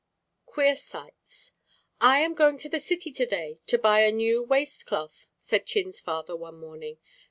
QUEER SIGHTS "I AM going to the city to day to buy a new waist cloth," said Chin's father one morning.